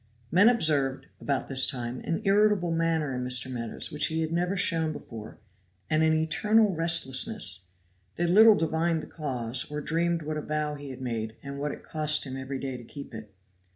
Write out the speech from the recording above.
Men observed, about this time, an irritable manner in Mr. Meadows which he had never shown before, and an eternal restlessness; they little divined the cause, or dreamed what a vow he had made, and what it cost him every day to keep it.